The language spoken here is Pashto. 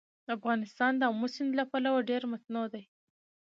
افغانستان د آمو سیند له پلوه ډېر متنوع دی.